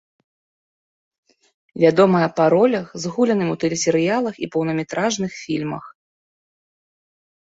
Вядомая па ролях, згуляным у тэлесерыялах і поўнаметражных фільмах.